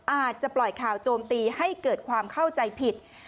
อาจจะปล่อยข่าวโจมตีให้เกิดความเข้าใจผิด